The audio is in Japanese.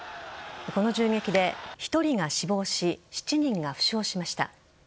この銃撃で１人が死亡し７人が負傷しました。